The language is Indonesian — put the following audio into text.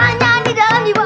hanya di dalam jiwa